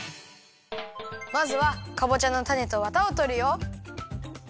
まずはかぼちゃのたねとわたをとるよ。